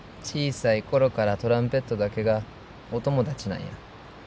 小さい頃からトランペットだけがお友達なんや。